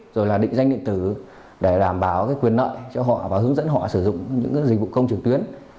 rồi là định danh điện tử để đảm bảo quyền lợi cho họ và hướng dẫn họ sử dụng những dịch vụ công trực tuyến